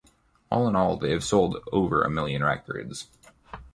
All in all, they have sold over a million records.